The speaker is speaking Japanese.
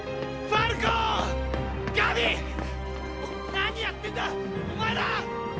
何やってんだお前ら！！